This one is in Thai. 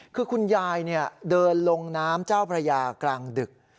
คือคุณยายเดินลงน้ำเจ้าพระยากลางดึก